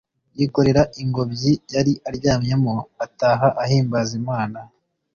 yikorera ingobyi yari aryamyemo, ataha ahimbaza Imana.